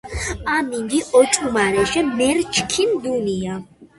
ამინდი ოჭუმარეშე მერჩქინდუნია